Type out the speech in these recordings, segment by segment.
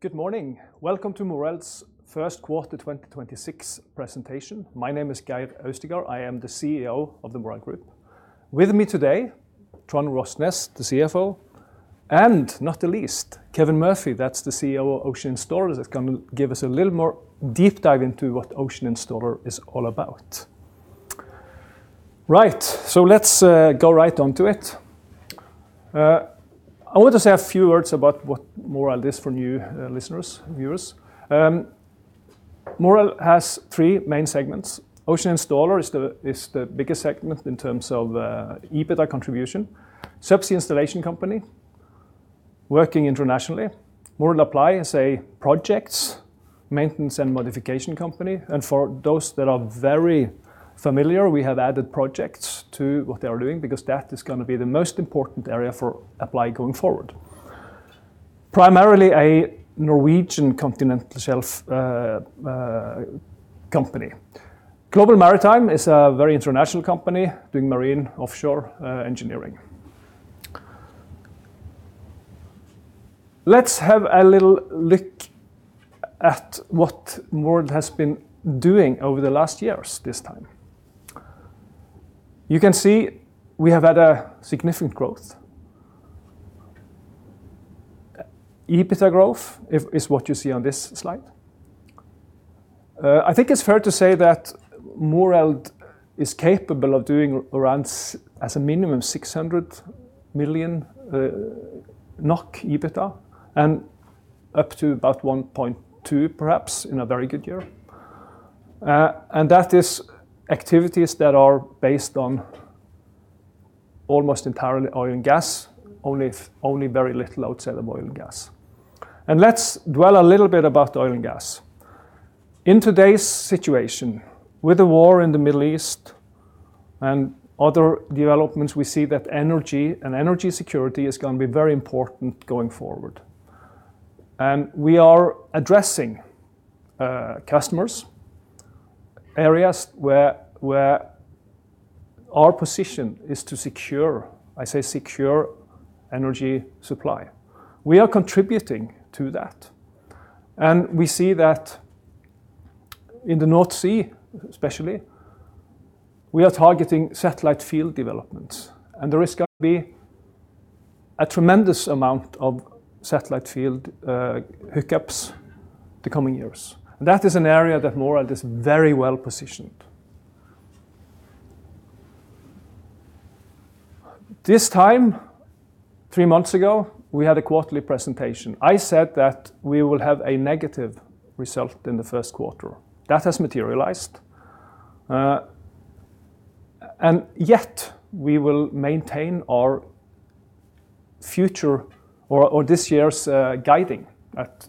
Good morning. Welcome to Moreld's first quarter 2026 presentation. My name is Geir Austigard. I am the CEO of the Moreld Group. With me today, Trond Rosnes, the CFO, and not the least, Kevin Murphy, that's the CEO of Ocean Installer, that's gonna give us a little more deep dive into what Ocean Installer is all about. Let's go right onto it. I want to say a few words about what Moreld is for new listeners, viewers. Moreld has three main segments. Ocean Installer is the biggest segment in terms of EBITDA contribution. Subsea Installation company, working internationally. Moreld Apply is a projects, maintenance, and modification company. For those that are very familiar, we have added projects to what they are doing because that is gonna be the most important area for Apply going forward. Primarily a Norwegian continental shelf company. Global Maritime is a very international company doing marine offshore engineering. Let's have a little look at what Moreld has been doing over the last years this time. You can see we have had a significant growth. EBITDA growth is what you see on this slide. I think it's fair to say that Moreld is capable of doing around as a minimum 600 million NOK EBITDA and up to about 1.2 perhaps in a very good year. That is activities that are based on almost entirely oil and gas, only very little outside of oil and gas. Let's dwell a little bit about oil and gas. In today's situation, with the war in the Middle East and other developments, we see that energy and energy security is gonna be very important going forward. We are addressing customers, areas where our position is to secure, I say secure energy supply. We are contributing to that. We see that in the North Sea especially, we are targeting satellite field developments. There is gonna be a tremendous amount of satellite field hookups the coming years. That is an area that Moreld is very well-positioned. This time, three months ago, we had a quarterly presentation. I said that we will have a negative result in the first quarter. That has materialized. Yet we will maintain our future or this year's guiding at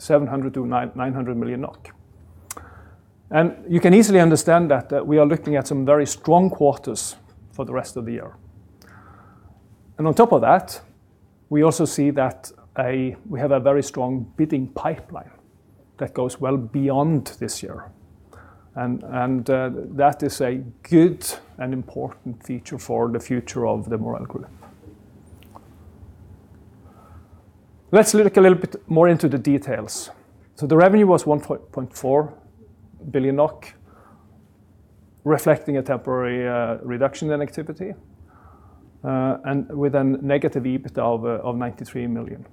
700 million-900 million NOK. You can easily understand that we are looking at some very strong quarters for the rest of the year. On top of that, we also see that we have a very strong bidding pipeline that goes well beyond this year, and that is a good and important feature for the future of the Moreld Group. Let's look a little bit more into the details. The revenue was 1.4 billion NOK, reflecting a temporary reduction in activity, and with a negative EBITDA of 93 million.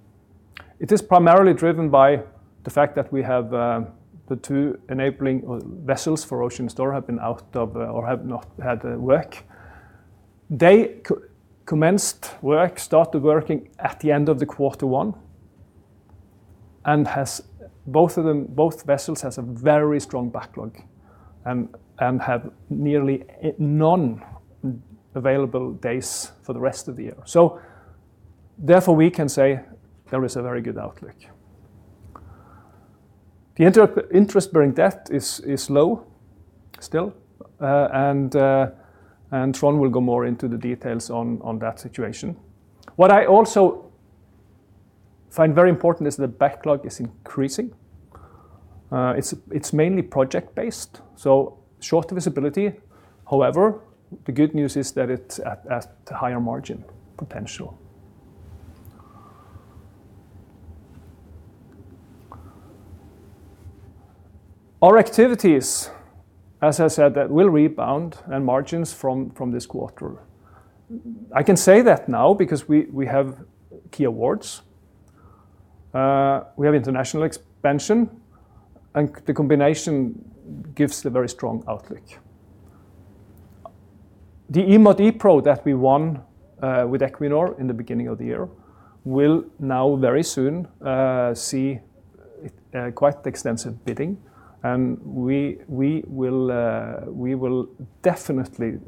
It is primarily driven by the fact that we have the two enabling vessels for Ocean Installer have been out of or have not had work. They commenced work, started working at the end of the quarter one and has both of them, both vessels has a very strong backlog and have nearly none available days for the rest of the year. Therefore, we can say there is a very good outlook. The interest-bearing debt is low still, and Trond will go more into the details on that situation. What I also find very important is the backlog is increasing. It's mainly project-based, so shorter visibility. However, the good news is that it's at a higher margin potential. Our activities, as I said, that will rebound and margins from this quarter. I can say that now because we have key awards. We have international expansion and the combination gives a very strong outlook. The EMOD/EPRO that we won with Equinor in the beginning of the year will now very soon see quite extensive bidding and we will definitely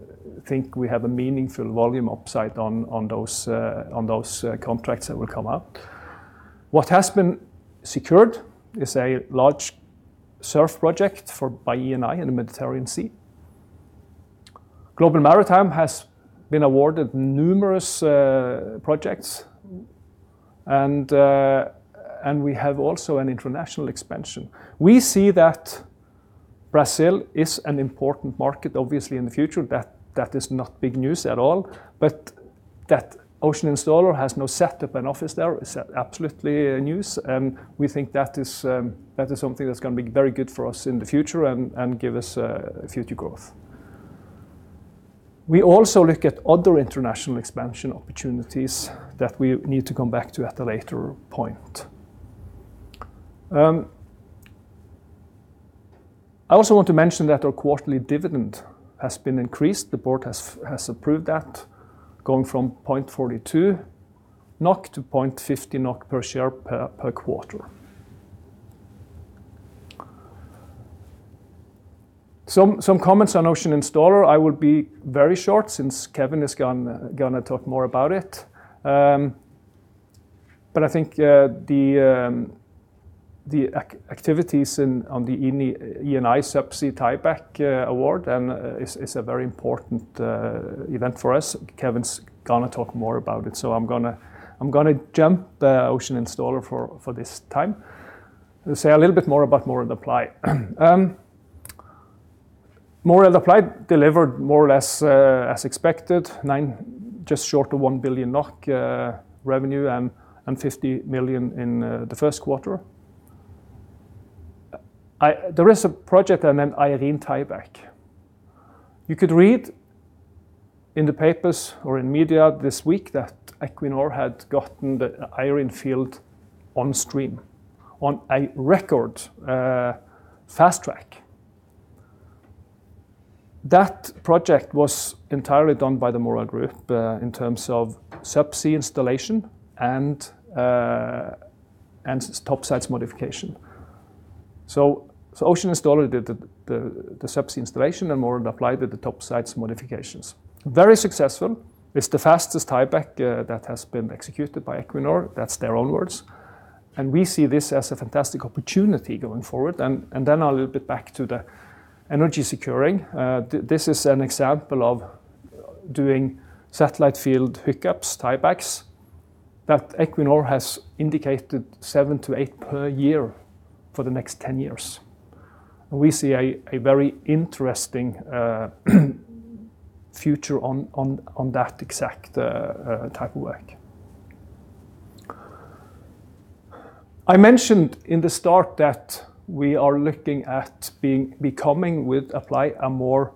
think we have a meaningful volume upside on those on those contracts that will come out. What has been secured is a large SURF project for by Eni in the Mediterranean Sea. Global Maritime has been awarded numerous projects and we have also an international expansion. We see that Brazil is an important market obviously in the future. That is not big news at all. That Ocean Installer has now set up an office there is absolutely a news, and we think that is something that's gonna be very good for us in the future and give us future growth. We also look at other international expansion opportunities that we need to come back to at a later point. I also want to mention that our quarterly dividend has been increased. The Board has approved that going from 0.42-0.50 NOK per share per quarter. Some comments on Ocean Installer, I would be very short since Kevin is gonna talk more about it. I think the activities in, on the Eni subsea tieback award is a very important event for us. Kevin's gonna talk more about it, so I'm gonna jump the Ocean Installer for this time and say a little bit more about Moreld Apply. Moreld Apply delivered more or less as expected, 9 just short of 1 billion NOK revenue and 50 million in the first quarter. There is a project named Eirin tie-back. You could read in the papers or in media this week that Equinor had gotten the Eirin field on stream on a record fast track. That project was entirely done by the Moreld Group in terms of subsea installation and topsides modification. Ocean Installer did the subsea installation and Moreld Apply did the topsides modifications. Very successful. It's the fastest tieback that has been executed by Equinor. That's their own words, we see this as a fantastic opportunity going forward then a little bit back to the energy securing. This is an example of doing satellite field hookups, tiebacks that Equinor has indicated seven to per year for the next 10 years. We see a very interesting future on that exact type of work. I mentioned in the start that we are looking at becoming with Apply MMO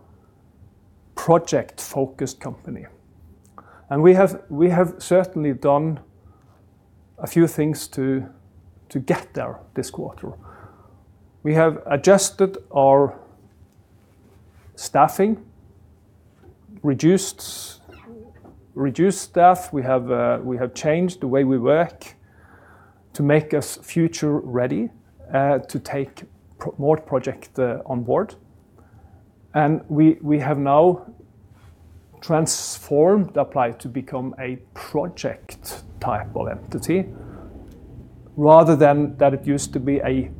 project-focused company. We have certainly done a few things to get there this quarter. We have adjusted our staffing, reduced staff. We have changed the way we work to make us future ready to take more project on board. We have now transformed Apply to become a project type of entity rather than that it used to be a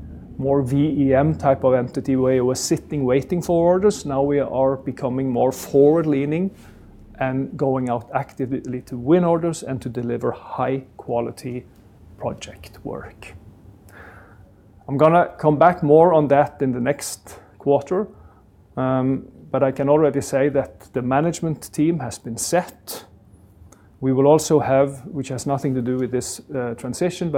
more V&M type of entity where you were sitting waiting for orders. Now we are becoming more forward-leaning and going out actively to win orders and to deliver high quality project work. I'm gonna come back more on that in the next quarter, I can already say that the management team has been set. We will also have, which has nothing to do with this transition,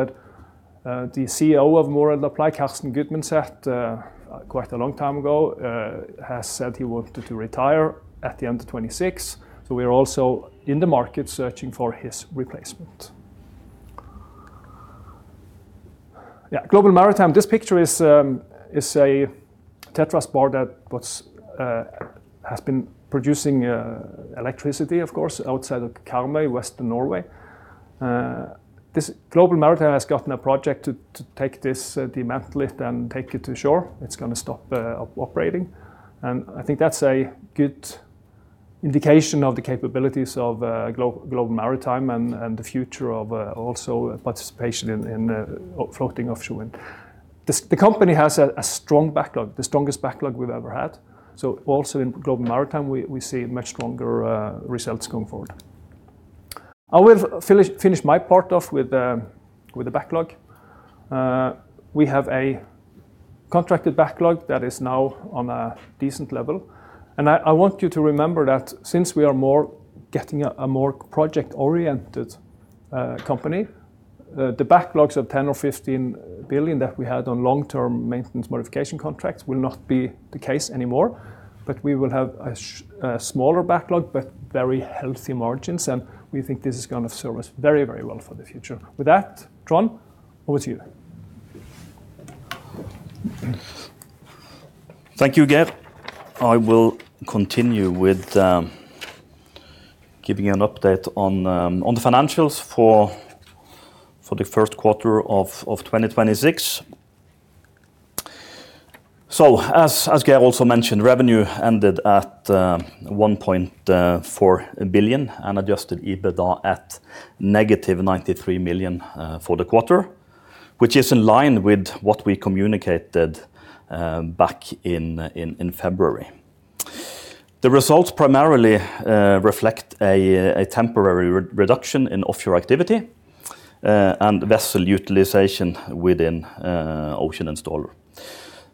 the CEO of Moreld Apply, Karsten Gudmundset, quite a long time ago, has said he wanted to retire at the end of 2026, we are also in the market searching for his replacement. Global Maritime. This picture is a TetraSpar that has been producing electricity, of course, outside of Karmøy, western Norway. This Global Maritime has gotten a project to take this, dismantle it and take it to shore. It's gonna stop operating, and I think that's a good indication of the capabilities of Global Maritime and the future of also participation in floating offshore wind. The company has a strong backlog, the strongest backlog we've ever had. Also in Global Maritime, we see much stronger results going forward. I will finish my part off with the backlog. We have a contracted backlog that is now on a decent level, and I want you to remember that since we are more getting MMO project-oriented company, the backlogs of 10 billion or 15 billion that we had on long-term maintenance modification contracts will not be the case anymore. We will have a smaller backlog, but very healthy margins, and we think this is gonna serve us very, very well for the future. With that, Trond, over to you. Thank you, Geir. I will continue with giving you an update on the financials for the first quarter of 2026. As Geir also mentioned, revenue ended at 1.4 billion and adjusted EBITDA at -93 million for the quarter, which is in line with what we communicated back in February. The results primarily reflect a temporary reduction in offshore activity and vessel utilization within Ocean Installer.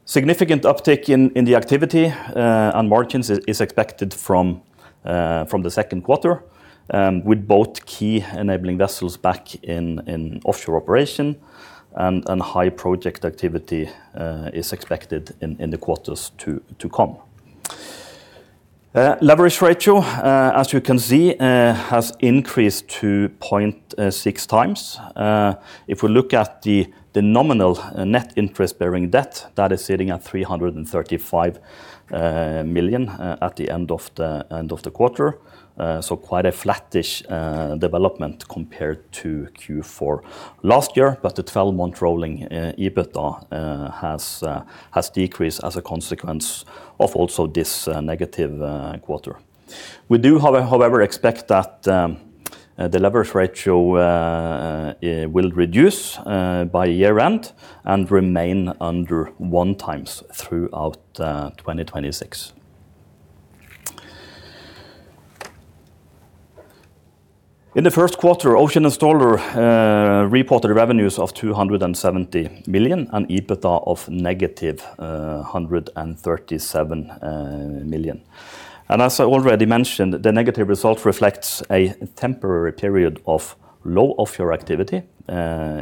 Significant uptick in the activity and margins is expected from the second quarter with both key enabling vessels back in offshore operation and high project activity is expected in the quarters to come. Leverage ratio, as you can see, has increased to 0.6x. If we look at the nominal net interest-bearing debt, that is sitting at 335 million at the end of the quarter so quite flattish development compared to Q4. Last year the 12-month rolling EBITDA has decreased as a consequence of also this negative quarter. We do however expect that the leverage ratio will reduce by year-end and remain under 1x throughout 2026. In the first quarter, Ocean Installer reported revenues of 270 million and EBITDA of -137 million. As I already mentioned, the negative result reflects a temporary period of low offshore activity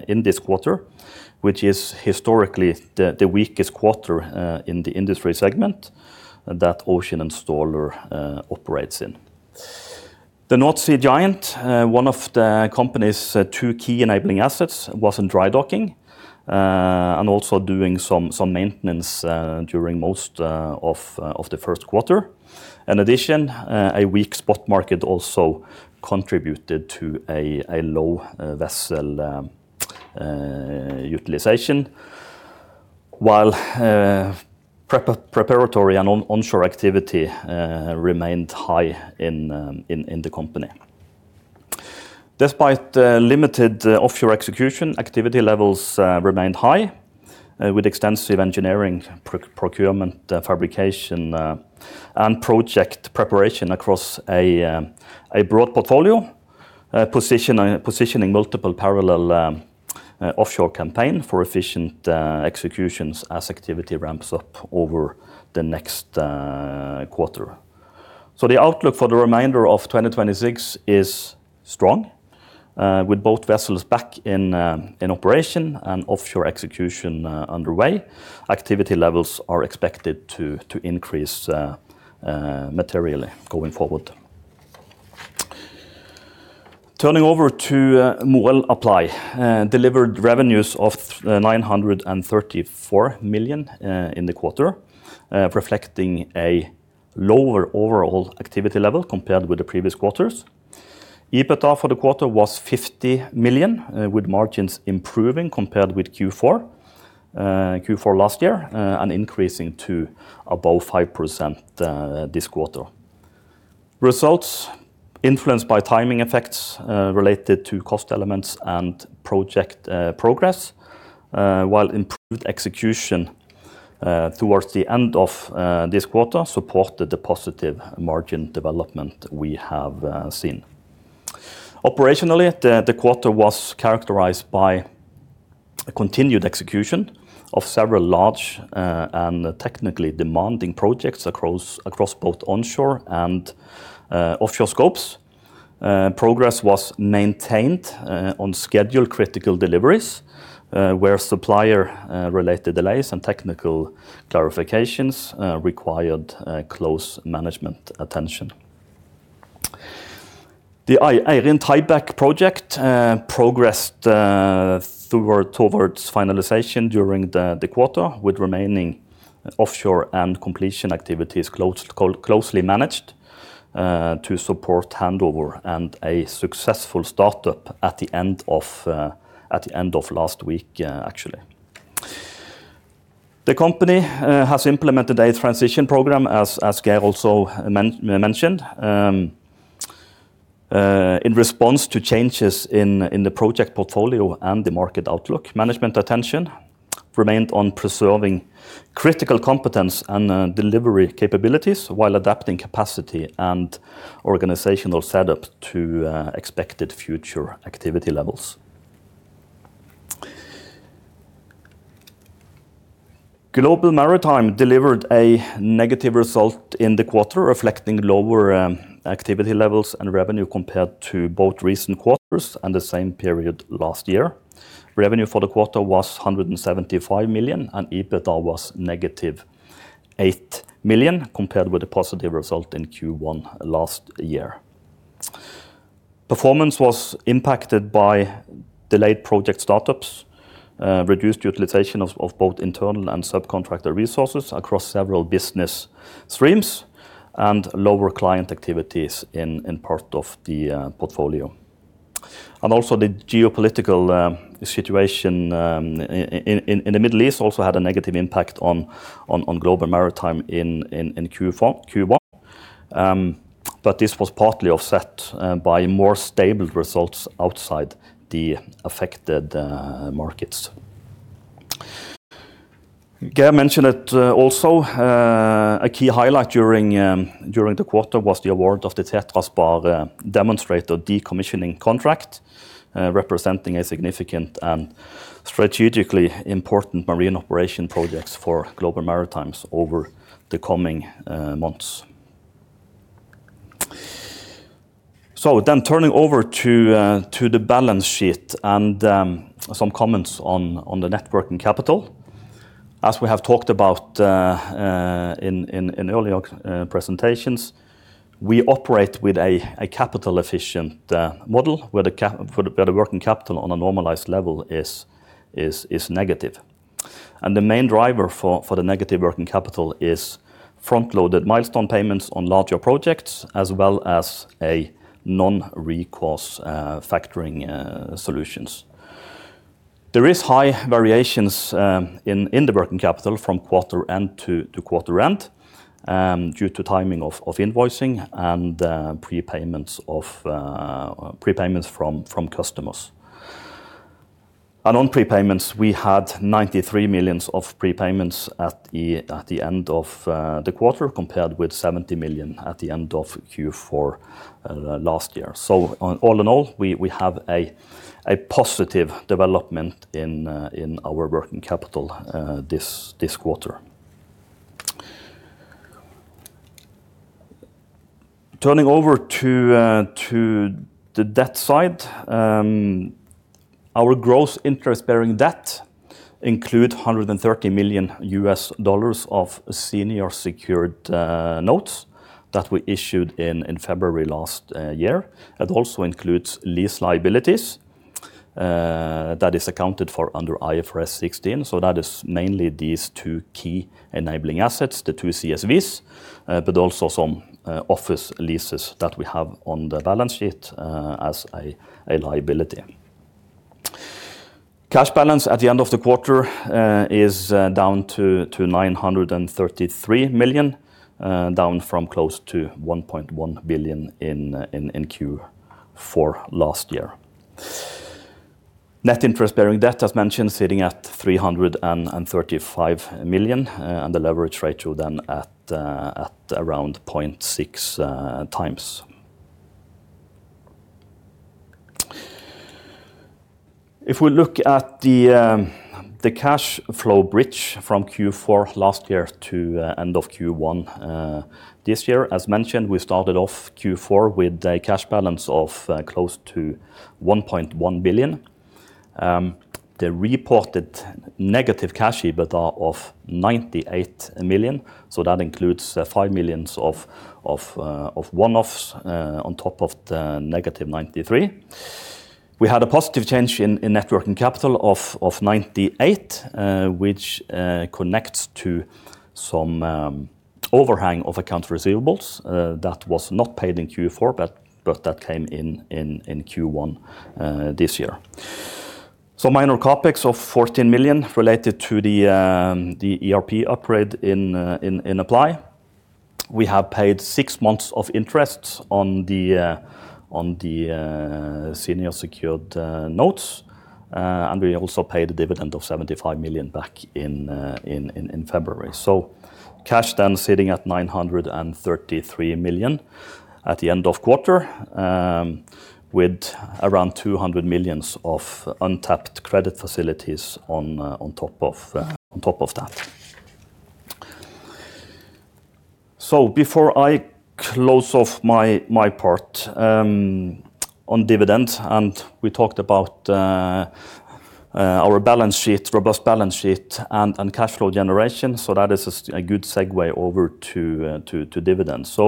in this quarter, which is historically the weakest quarter in the industry segment that Ocean Installer operates in. The North Sea Giant, one of the company's two key enabling assets, was in dry docking and also doing some maintenance during most of the first quarter. In addition, a weak spot market also contributed to a low vessel utilization, while preparatory and onshore activity remained high in the company. Despite the limited offshore execution, activity levels remained high, with extensive engineering, procurement, fabrication, and project preparation across a broad portfolio, positioning multiple parallel offshore campaign for efficient executions as activity ramps up over the next quarter. The outlook for the remainder of 2026 is strong. With both vessels back in operation and offshore execution underway, activity levels are expected to increase materially going forward. Turning over to Moreld Apply delivered revenues of 934 million in the quarter, reflecting a lower overall activity level compared with the previous quarters. EBITDA for the quarter was 50 million, with margins improving compared with Q4 last year, and increasing to above 5% this quarter. Results influenced by timing effects, related to cost elements and project progress, while improved execution towards the end of this quarter supported the positive margin development we have seen. Operationally, the quarter was characterized by continued execution of several large and technically demanding projects across both onshore and offshore scopes. Progress was maintained on schedule-critical deliveries, where supplier related delays and technical clarifications required close management attention. The Eirin tie-back project progressed towards finalization during the quarter with remaining offshore and completion activities closely managed to support handover and a successful startup at the end of last week, actually. The company has implemented a transition program, as Geir also mentioned, in response to changes in the project portfolio and the market outlook. Management attention remained on preserving critical competence and delivery capabilities while adapting capacity and organizational setup to expected future activity levels. Global Maritime delivered a negative result in the quarter, reflecting lower activity levels and revenue compared to both recent quarters and the same period last year. Revenue for the quarter was 175 million, and EBITDA was -8 million compared with a positive result in Q1 last year. Performance was impacted by delayed project startups, reduced utilization of both internal and subcontractor resources across several business streams, and lower client activities in part of the portfolio. Also the geopolitical situation in the Middle East also had a negative impact on Global Maritime in Q1. This was partly offset by more stable results outside the affected markets. Geir mentioned it also a key highlight during the quarter was the award of the TetraSpar demonstrator decommissioning contract representing a significant and strategically important marine operation projects for Global Maritime over the coming months. Turning over to the balance sheet and some comments on the net working capital. As we have talked about in earlier presentations, we operate with a capital-efficient model where the working capital on a normalized level is negative. The main driver for the negative working capital is front-loaded milestone payments on larger projects, as well as a non-recourse factoring solutions. There is high variations in the working capital from quarter end to quarter end due to timing of invoicing and prepayments of prepayments from customers. On prepayments, we had 93 million of prepayments at the end of the quarter, compared with 70 million at the end of Q4 last year. In all, we have a positive development in our working capital this quarter. Turning over to the debt side, our gross interest-bearing debt include $130 million of senior secured notes that we issued in February last year. That also includes lease liabilities, that is accounted for under IFRS 16. That is mainly these two key enabling assets, the two CSVs, but also some office leases that we have on the balance sheet, as a liability. Cash balance at the end of the quarter is down to 933 million, down from close to 1.1 billion in Q4 last year. Net interest bearing debt, as mentioned, sitting at 335 million, and the leverage ratio then at around 0.6x. If we look at the cash flow bridge from Q4 last year to end of Q1 this year, as mentioned, we started off Q4 with a cash balance of close to 1.1 billion. The reported negative cash EBITDA of 98 million, that includes 5 million of one-offs on top of the negative 93. We had a positive change in net working capital of 98, which connects to some overhang of account receivables that was not paid in Q4, but that came in Q1 this year. Minor CapEx of 14 million related to the ERP upgrade in Apply. We have paid six months of interest on the senior secured notes, and we also paid a dividend of 75 million back in February. Cash then sitting at 933 million at the end of quarter, with around 200 million of untapped credit facilities on top of that. Before I close off my part, on dividend, and we talked about our balance sheet, robust balance sheet and cash flow generation, so that is a good segue over to dividends.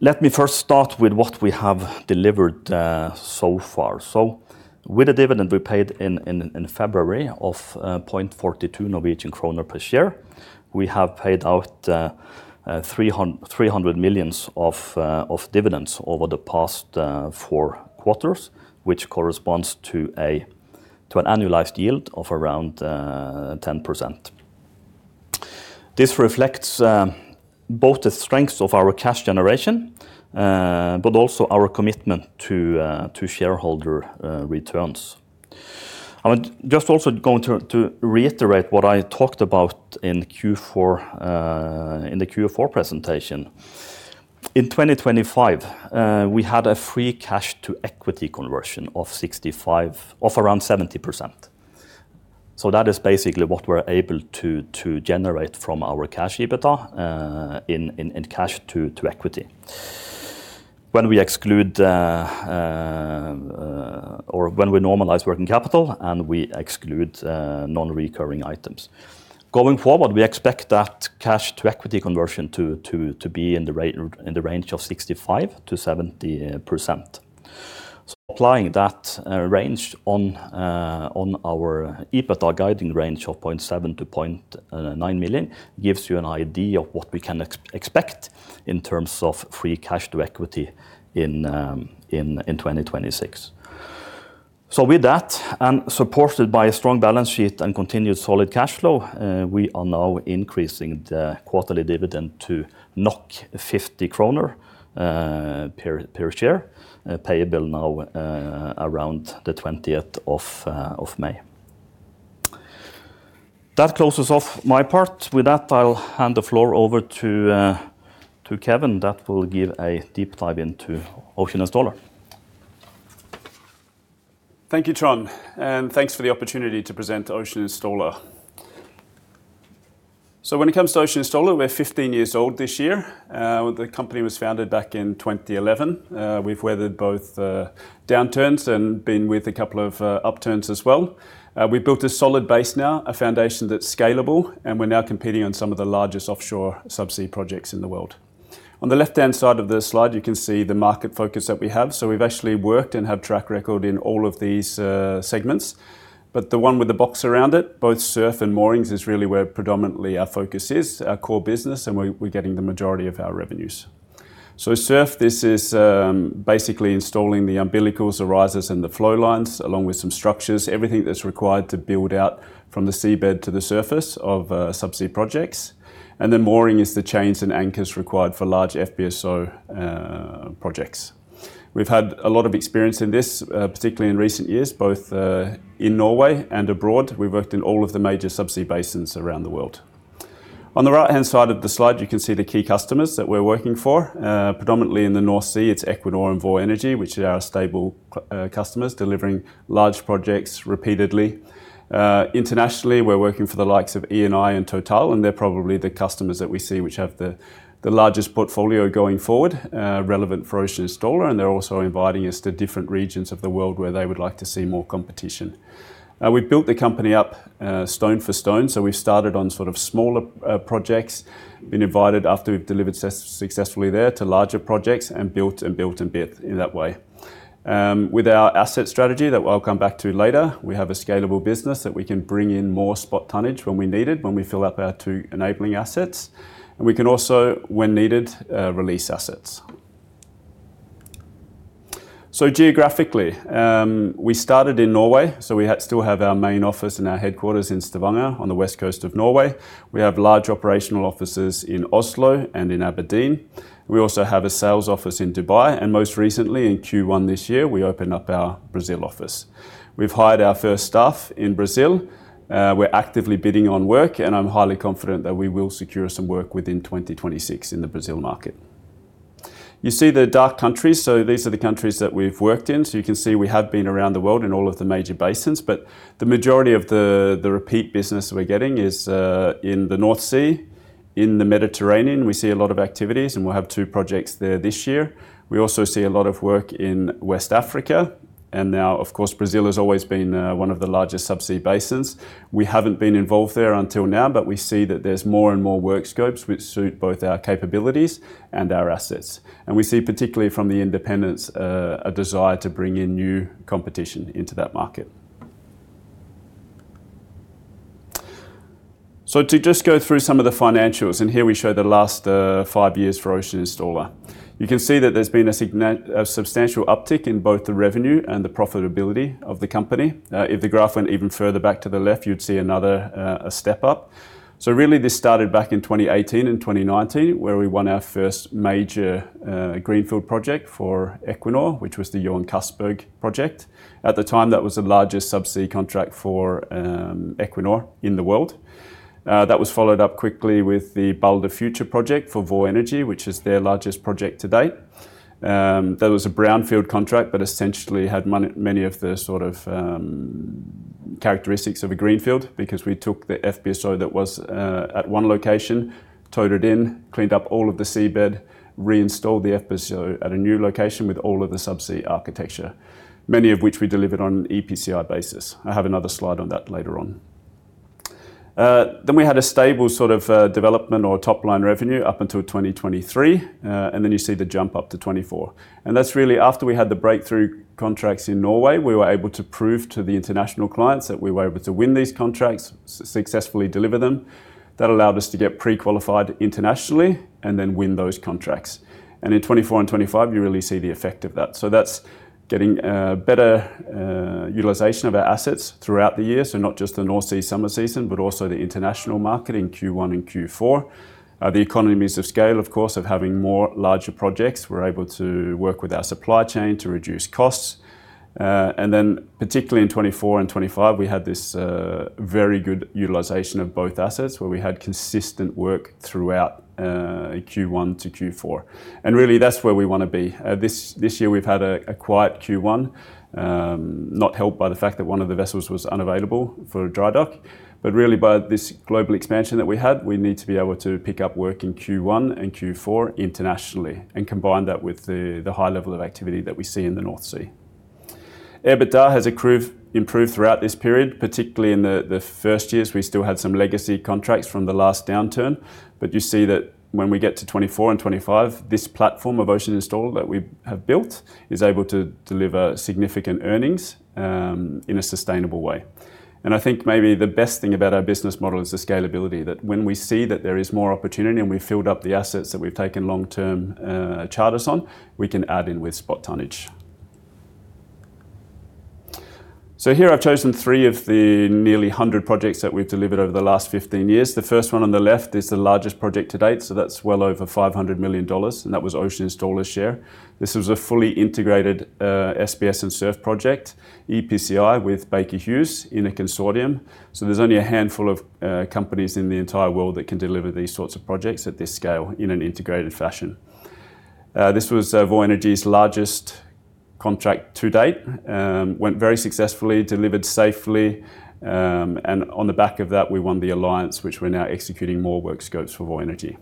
Let me first start with what we have delivered so far. With the dividend we paid in February of 0.42 Norwegian kroner per share, we have paid out 300 million of dividends over the past four quarters, which corresponds to an annualized yield of around 10%. This reflects both the strengths of our cash generation, but also our commitment to shareholder returns. I would just also going to reiterate what I talked about in Q4, in the Q4 presentation. In 2025, we had a free cash to equity conversion of 65% of around 70%. That is basically what we're able to generate from our cash EBITDA, in cash to equity. When we exclude, or when we normalize working capital and we exclude non-recurring items. Going forward, we expect that cash to equity conversion to be in the range of 65%-70%. Applying that range on our EBITDA guiding range of 0.7 million-0.9 million gives you an idea of what we can expect in terms of free cash to equity in 2026. With that, and supported by a strong balance sheet and continued solid cash flow, we are now increasing the quarterly dividend to 50 kroner per share, payable now around the May 20th. That closes off my part. With that, I'll hand the floor over to Kevin. That will give a deep dive into Ocean Installer. Thank you, Trond, and thanks for the opportunity to present Ocean Installer. When it comes to Ocean Installer, we're 15 years old this year. The company was founded back in 2011. We've weathered both downturns and been with a couple of upturns as well. We built a solid base now, a foundation that's scalable, and we're now competing on some of the largest offshore subsea projects in the world. On the left-hand side of the slide, you can see the market focus that we have. We've actually worked and have track record in all of these segments. The one with the box around it, both SURF and moorings, is really where predominantly our focus is, our core business, and we're getting the majority of our revenues. SURF, this is basically installing the umbilicals, the risers and the flow lines, along with some structures, everything that's required to build out from the seabed to the surface of subsea projects. Mooring is the chains and anchors required for large FPSO projects. We've had a lot of experience in this, particularly in recent years, both in Norway and abroad. We've worked in all of the major subsea basins around the world. On the right-hand side of the slide, you can see the key customers that we're working for. Predominantly in the North Sea, it's Equinor and Vår Energi, which are our stable customers, delivering large projects repeatedly. Internationally, we're working for the likes of Eni and Total, and they're probably the customers that we see which have the largest portfolio going forward, relevant for Ocean Installer, and they're also inviting us to different regions of the world where they would like to see more competition. We've built the company up, stone for stone. We started on sort of smaller projects. Been invited after we've delivered successfully there to larger projects and built and built and built in that way. With our asset strategy that I'll come back to later, we have a scalable business that we can bring in more spot tonnage when we need it, when we fill up our two enabling assets, and we can also, when needed, release assets. Geographically, we started in Norway, we still have our main office and our headquarters in Stavanger on the west coast of Norway. We have large operational offices in Oslo and in Aberdeen. We also have a sales office in Dubai, and most recently in Q1 this year, we opened up our Brazil office. We've hired our first staff in Brazil. We're actively bidding on work, and I'm highly confident that we will secure some work within 2026 in the Brazil market. You see the dark countries. These are the countries that we've worked in. You can see we have been around the world in all of the major basins. The majority of the repeat business we're getting is in the North Sea. In the Mediterranean, we see a lot of activities, and we'll have two projects there this year. We also see a lot of work in West Africa, and now of course, Brazil has always been one of the largest subsea basins. We haven't been involved there until now, but we see that there's more and more work scopes which suit both our capabilities and our assets. We see particularly from the independents, a desire to bring in new competition into that market. To just go through some of the financials, and here we show the last five years for Ocean Installer. You can see that there's been a substantial uptick in both the revenue and the profitability of the company. If the graph went even further back to the left, you'd see another step up. Really this started back in 2018 and 2019, where we won our first major greenfield project for Equinor, which was the Johan Castberg project. At the time, that was the largest subsea contract for Equinor in the world. That was followed up quickly with the Balder Future project for Vår Energi, which is their largest project to date. That was a brownfield contract, but essentially had many of the sort of characteristics of a greenfield because we took the FPSO that was at one location, towed it in, cleaned up all of the seabed, reinstalled the FPSO at a new location with all of the subsea architecture, many of which we delivered on an EPCI basis. I have another slide on that later on. We had a stable sort of development or top-line revenue up until 2023, you see the jump up to 2024. That's really after we had the breakthrough contracts in Norway, we were able to prove to the international clients that we were able to win these contracts, successfully deliver them. That allowed us to get pre-qualified internationally and then win those contracts. In 2024 and 2025, you really see the effect of that. That's getting better utilization of our assets throughout the year, so not just the North Sea summer season, but also the international market in Q1 and Q4. The economies of scale, of course, of having more larger projects. We're able to work with our supply chain to reduce costs. Then particularly in 2024 and 2025, we had this very good utilization of both assets, where we had consistent work throughout Q1 to Q4. Really, that's where we wanna be. This year we've had a quiet Q1, not helped by the fact that one of the vessels was unavailable for dry dock. Really by this global expansion that we had, we need to be able to pick up work in Q1 and Q4 internationally and combine that with the high level of activity that we see in the North Sea. EBITDA has improved throughout this period, particularly in the first years. We still had some legacy contracts from the last downturn. You see that when we get to 2024 and 2025, this platform of Ocean Installer that we have built is able to deliver significant earnings in a sustainable way. I think maybe the best thing about our business model is the scalability, that when we see that there is more opportunity and we filled up the assets that we've taken long-term charters on, we can add in with spot tonnage. Here I've chosen three of the nearly 100 projects that we've delivered over the last 15 years. The first one on the left is the largest project to date, that's well over $500 million, and that was Ocean Installer's share. This was a fully integrated SPS and SURF project, EPCI with Baker Hughes in a consortium. There's only a handful of companies in the entire world that can deliver these sorts of projects at this scale in an integrated fashion. This was Vår Energi's largest contract to date, went very successfully, delivered safely, and on the back of that, we won the alliance which we're now executing more work scopes for Vår Energi.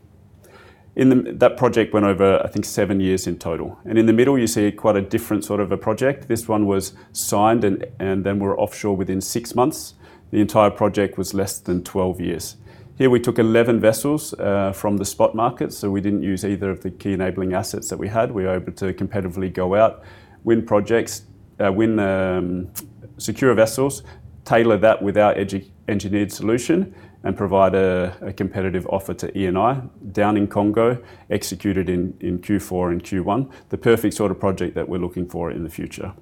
That project went over, I think, seven years in total. In the middle, you see quite a different sort of a project. This one was signed and then we're offshore within six months. The entire project was less than 12 years. Here we took 11 vessels from the spot market, so we didn't use either of the key enabling assets that we had. We were able to competitively go out, win projects, win, secure vessels, tailor that with our engineered solution and provide a competitive offer to Eni down in Congo, executed in Q4 and Q1, the perfect sort of project that we're looking for in the future.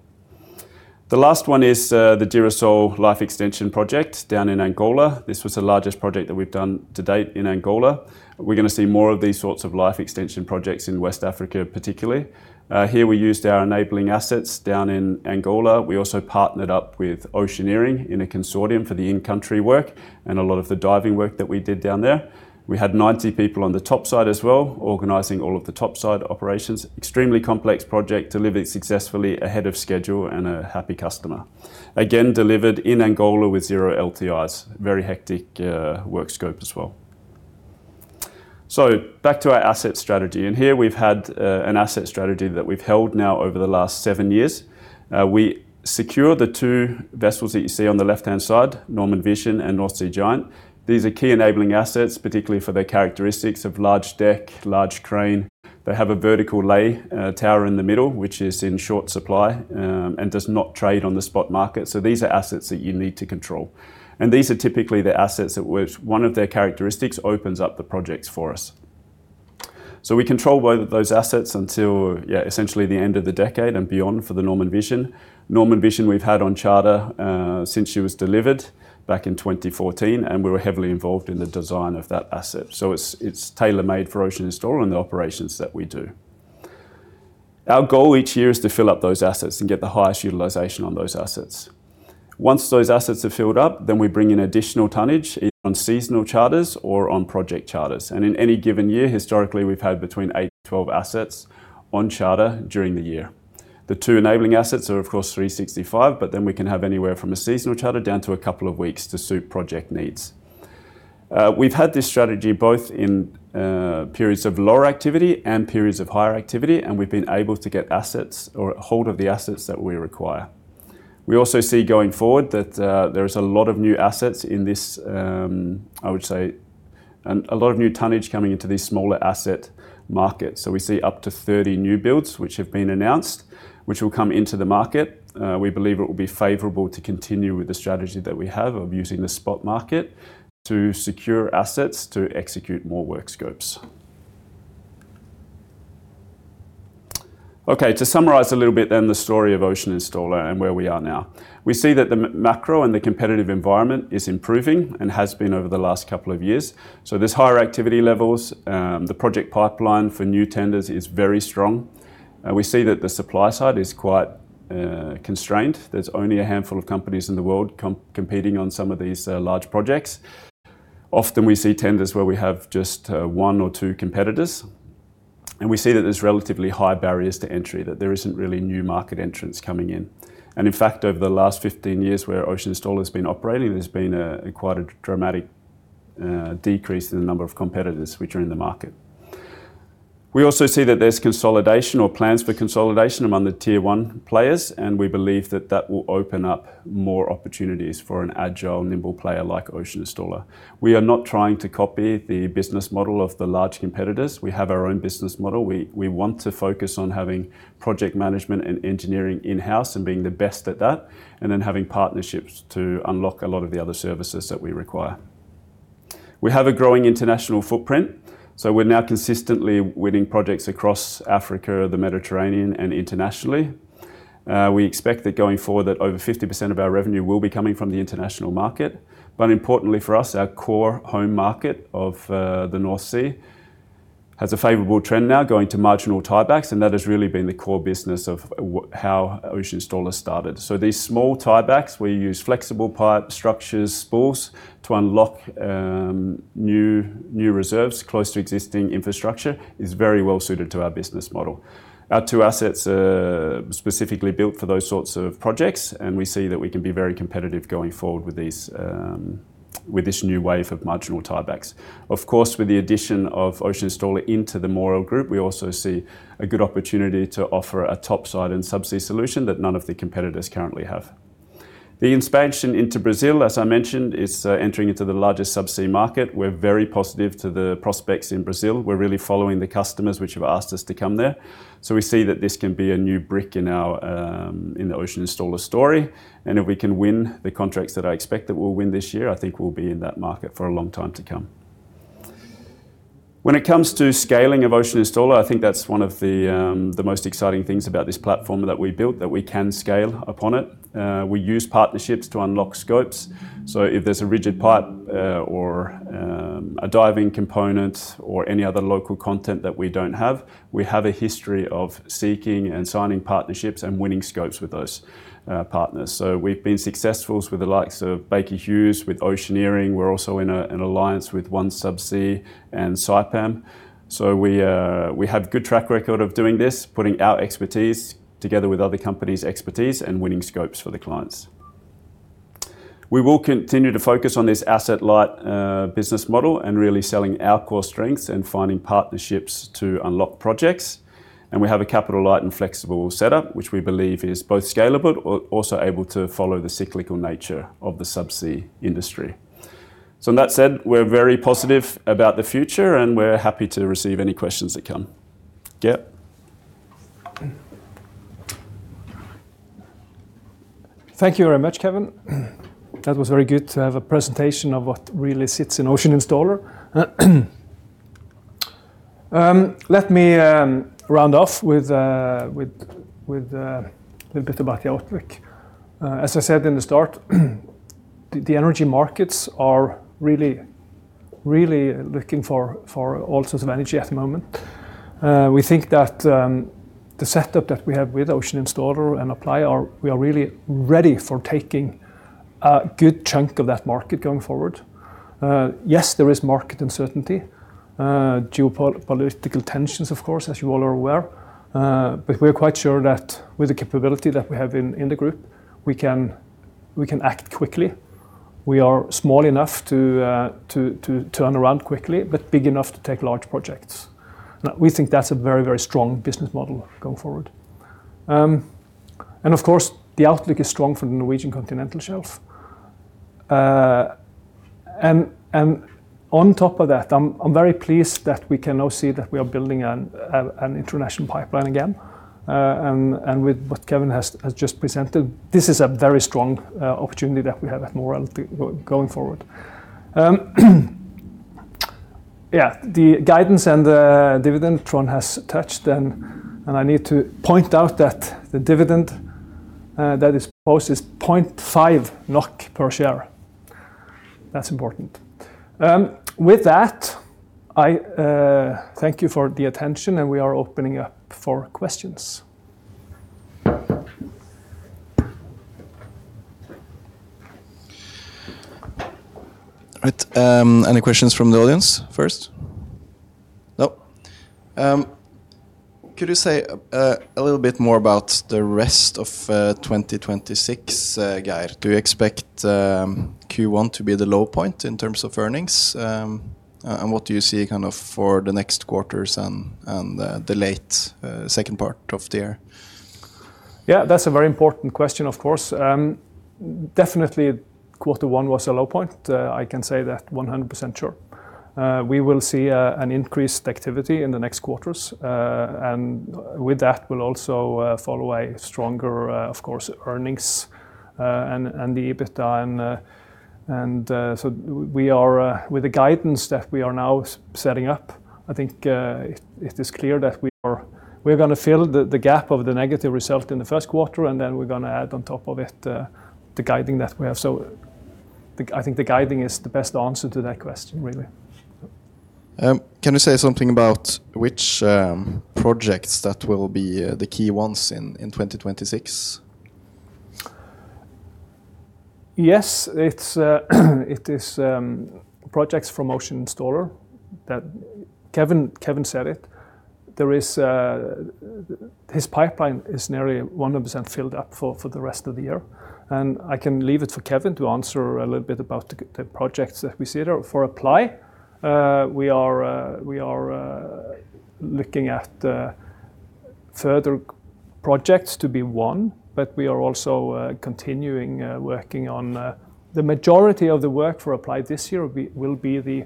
The last one is the Girassol Life Extension project down in Angola. This was the largest project that we've done to date in Angola. We're gonna see more of these sorts of life extension projects in West Africa, particularly. Here we used our enabling assets down in Angola. We also partnered up with Oceaneering in a consortium for the in-country work and a lot of the diving work that we did down there. We had 90 people on the top side as well, organizing all of the top side operations. Extremely complex project, delivered successfully ahead of schedule and a happy customer. Again, delivered in Angola with zero LTIs. Very hectic work scope as well. Back to our asset strategy. Here we've had an asset strategy that we've held now over the last seven years. We secure the two vessels that you see on the left-hand side, Normand Vision and North Sea Giant. These are key enabling assets, particularly for their characteristics of large deck, large crane. They have a vertical lay tower in the middle, which is in short supply and does not trade on the spot market. These are assets that you need to control. These are typically the assets at which one of their characteristics opens up the projects for us. We control those assets until, yeah, essentially the end of the decade and beyond for the Normand Vision. Normand Vision we've had on charter since she was delivered back in 2014, and we were heavily involved in the design of that asset. It's tailor-made for Ocean Installer and the operations that we do. Our goal each year is to fill up those assets and get the highest utilization on those assets. Once those assets are filled up, then we bring in additional tonnage on seasonal charters or on project charters. In any given year, historically, we've had between eight to 12 assets on charter during the year. The two enabling assets are, of course, 365, but then we can have anywhere from a seasonal charter down to a couple of weeks to suit project needs. We've had this strategy both in periods of lower activity and periods of higher activity, and we've been able to get assets or hold of the assets that we require. We also see going forward that there is a lot of new assets in this I would say, a lot of new tonnage coming into this smaller asset market. We see up to 30 new builds which have been announced, which will come into the market. We believe it will be favorable to continue with the strategy that we have of using the spot market to secure assets to execute more work scopes. To summarize a little bit the story of Ocean Installer and where we are now. We see that the macro and the competitive environment is improving and has been over the last couple of years. There's higher activity levels. The project pipeline for new tenders is very strong. We see that the supply side is quite constrained. There's only a handful of companies in the world competing on some of these large projects. Often we see tenders where we have just one or two competitors, and we see that there's relatively high barriers to entry, that there isn't really new market entrants coming in. In fact, over the last 15 years where Ocean Installer has been operating, there's been quite a dramatic decrease in the number of competitors which are in the market. We also see that there's consolidation or plans for consolidation among the Tier 1 players, and we believe that that will open up more opportunities for an agile, nimble player like Ocean Installer. We are not trying to copy the business model of the large competitors. We have our own business model. We want to focus on having project management and engineering in-house and being the best at that, and then having partnerships to unlock a lot of the other services that we require. We have a growing international footprint, so we're now consistently winning projects across Africa, the Mediterranean and internationally. We expect that going forward that over 50% of our revenue will be coming from the international market. Importantly for us, our core home market of the North Sea has a favorable trend now going to marginal tie-backs, and that has really been the core business of how Ocean Installer started. These small tie-backs, we use flexible pipe structures, spools to unlock new reserves close to existing infrastructure, is very well suited to our business model. Our two assets are specifically built for those sorts of projects, and we see that we can be very competitive going forward with these with this new wave of marginal tie-backs. Of course, with the addition of Ocean Installer into the Moreld Group, we also see a good opportunity to offer a top side and subsea solution that none of the competitors currently have. The expansion into Brazil, as I mentioned, is entering into the largest subsea market. We're very positive to the prospects in Brazil. We're really following the customers which have asked us to come there. We see that this can be a new brick in our in the Ocean Installer story. If we can win the contracts that I expect that we'll win this year, I think we'll be in that market for a long time to come. When it comes to scaling of Ocean Installer, I think that's one of the most exciting things about this platform that we built, that we can scale upon it. We use partnerships to unlock scopes. If there's a rigid pipe, or a diving component or any other local content that we don't have, we have a history of seeking and signing partnerships and winning scopes with those partners. We've been successful with the likes of Baker Hughes, with Oceaneering. We're also in an alliance with OneSubsea and Saipem. We have good track record of doing this, putting our expertise together with other companies' expertise and winning scopes for the clients. We will continue to focus on this asset-light business model and really selling our core strengths and finding partnerships to unlock projects. We have a capital light and flexible setup, which we believe is both scalable or also able to follow the cyclical nature of the subsea industry. With that said, we're very positive about the future. We're happy to receive any questions that come. Yeah. Thank you very much, Kevin. That was very good to have a presentation of what really sits in Ocean Installer. Let me round off with a little bit about the outlook. As I said in the start, the energy markets are really looking for all sorts of energy at the moment. We think that the setup that we have with Ocean Installer and Apply, we are really ready for taking a good chunk of that market going forward. Yes, there is market uncertainty, geopolitical tensions of course, as you all are aware. But we are quite sure that with the capability that we have in the group, we can act quickly. We are small enough to turn around quickly, but big enough to take large projects. We think that's a very, very strong business model going forward. Of course, the outlook is strong for the Norwegian Continental Shelf. On top of that, I'm very pleased that we can now see that we are building an international pipeline again. With what Kevin has just presented, this is a very strong opportunity that we have at Moreld going forward. The guidance and the dividend Trond has touched, I need to point out that the dividend that is posted is 0.5 NOK per share. That's important. With that, I thank you for the attention, we are opening up for questions. Right. Any questions from the audience first? No. Could you say a little bit more about the rest of 2026, Geir? Do you expect Q1 to be the low point in terms of earnings? What do you see kind of for the next quarters and the late second part of the year? Yeah, that's a very important question, of course. Definitely quarter one was a low point. I can say that 100% sure. We will see an increased activity in the next quarters. With that will also follow a stronger, of course earnings, and the EBITDA. We are with the guidance that we are now setting up, I think, it is clear that we are, we're gonna fill the gap of the negative result in the first quarter, and then we're gonna add on top of it, the guiding that we have. I think the guiding is the best answer to that question, really. Can you say something about which projects that will be the key ones in 2026? Yes. It's, it is projects from Ocean Installer that Kevin said it. There is, his pipeline is nearly 100% filled up for the rest of the year, and I can leave it for Kevin to answer a little bit about the projects that we see there. For Apply, we are, we are looking at further projects to be won, but we are also continuing working on The majority of the work for Apply this year will be the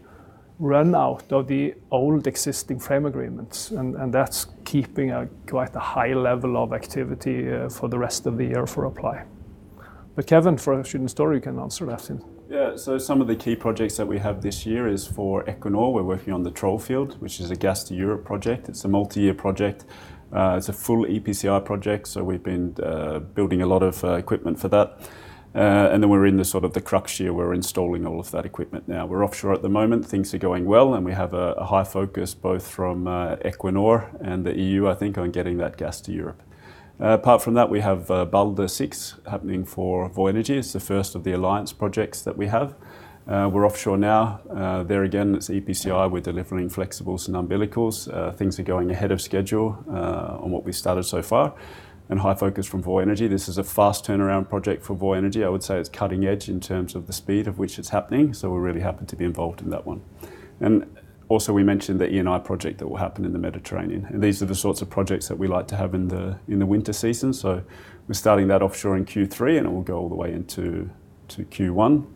run out of the old existing frame agreements and that's keeping a quite a high level of activity for the rest of the year for Apply. Kevin, for Ocean Installer, you can answer that then. Yeah. Some of the key projects that we have this year is for Equinor. We're working on the Troll field, which is a Gas to Europe project. It's a multi-year project. It's a full EPCI project, we've been building a lot of equipment for that. We're in the sort of the crux year. We're installing all of that equipment now. We're offshore at the moment. Things are going well, we have a high focus both from Equinor and the EU, I think, on getting that Gas to Europe. Apart from that, we have Balder VI happening for Vår Energi. It's the first of the alliance projects that we have. We're offshore now. There again, it's EPCI. We're delivering flexibles and umbilicals. Things are going ahead of schedule on what we've started so far, high focus from Vår Energi. This is a fast turnaround project for Vår Energi. I would say it's cutting edge in terms of the speed of which it's happening, we're really happy to be involved in that one. We mentioned the Eni project that will happen in the Mediterranean, these are the sorts of projects that we like to have in the winter season. We're starting that offshore in Q3, it will go all the way into Q1.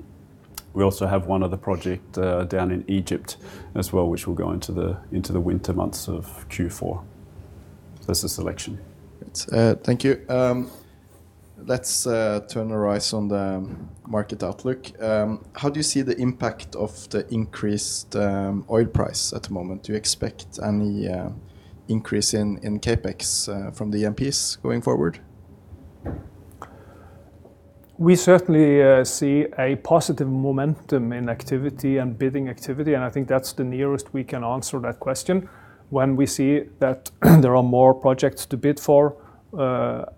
We also have one other project down in Egypt as well, which will go into the winter months of Q4. That's the selection. Great. Thank you. Let's turn our eyes on the market outlook. How do you see the impact of the increased oil price at the moment? Do you expect any increase in CapEx from the E&Ps going forward? We certainly see a positive momentum in activity and bidding activity, and I think that's the nearest we can answer that question. When we see that there are more projects to bid for,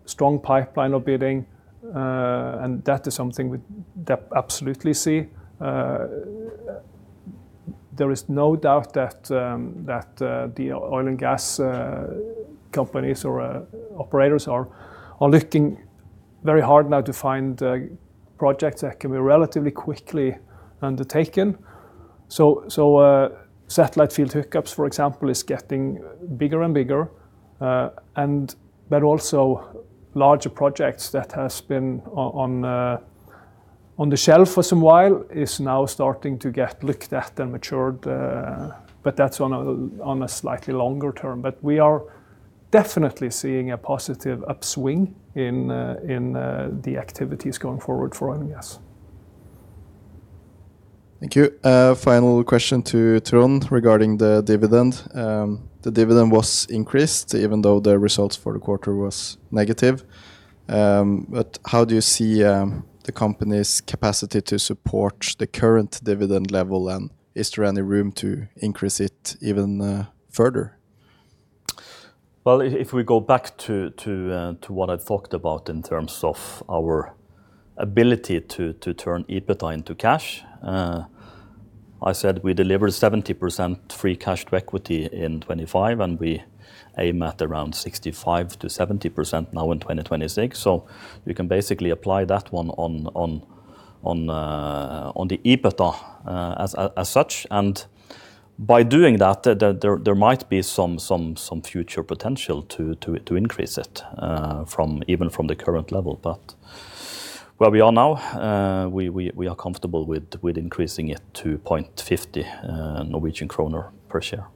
strong pipeline of bidding, that is something we absolutely see. There is no doubt that the oil and gas companies or operators are looking very hard now to find projects that can be relatively quickly undertaken. Satellite field hookups, for example, is getting bigger and bigger. Also larger projects that has been on the shelf for some while is now starting to get looked at and matured, that's on a slightly longer term. We are definitely seeing a positive upswing in the activities going forward for oil and gas. Thank you. Final question to Trond regarding the dividend. The dividend was increased even though the results for the quarter was negative. How do you see the company's capacity to support the current dividend level, and is there any room to increase it even further? If we go back to what I talked about in terms of our ability to turn EBITDA into cash, I said we delivered 70% free cash to equity in 2025, we aim at around 65%-70% now in 2026. We can basically apply that one on the EBITDA as such. By doing that, there might be some future potential to increase it even from the current level. Where we are now, we are comfortable with increasing it to 0.50 Norwegian kroner per share.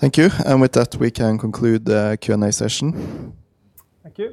Thank you. With that, we can conclude the Q&A session. Thank you.